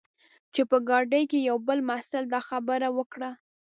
چې په ګاډۍ کې یوه بل محصل دا خبره وکړه.